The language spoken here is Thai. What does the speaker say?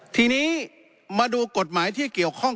ทีนี้มาดูกฎหมายที่เกี่ยวข้อง